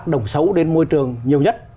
đồng xấu đến môi trường nhiều nhất